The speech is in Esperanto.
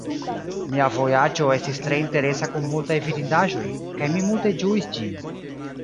Mia vojaĝo estis tre interesa kun multaj vidindaĵoj, kaj mi multe ĝuis ĝin.